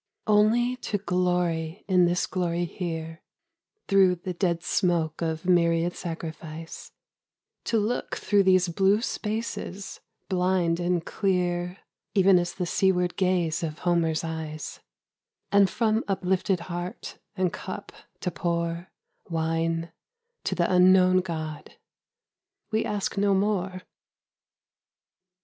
Only to glory in this glory here, Through the dead smoke of myriad sacrifice; To look through these blue spaces, blind and clear Even as the seaward gaze of Homer's eyes; And from uplifted heart, and cup, to pour Wine to the Unknown God. We ask no more.